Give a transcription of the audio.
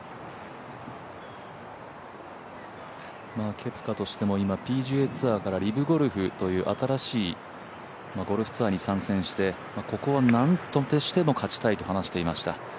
ケプカとしても今ＰＧＡツアーからリブゴルフという新しいゴルフツアーに参戦してここをなんとしても勝ちたいと話していました。